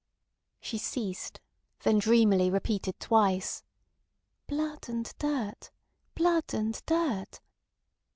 She ceased, then dreamily repeated twice: "Blood and dirt. Blood and dirt."